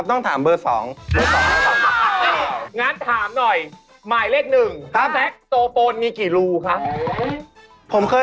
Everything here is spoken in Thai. โอเค